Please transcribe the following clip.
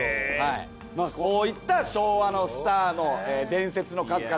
まぁこういった昭和のスターの伝説の数々。